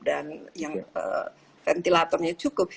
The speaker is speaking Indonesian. dan ventilatornya cukup